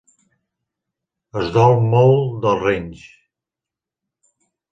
Es dol molt dels renys.